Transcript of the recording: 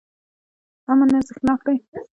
امن ارزښتناک دی.